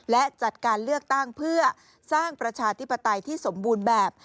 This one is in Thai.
และจัดการเลือกตั้งเพื่อสร้างประชาธิปไตยที่สมบูรณ์แบบ